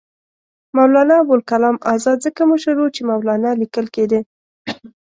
مولنا ابوالکلام آزاد ځکه مشر وو چې مولنا لیکل کېدی.